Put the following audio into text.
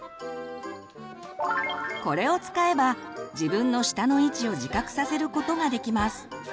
これを使えば自分の舌の位置を自覚させることができます。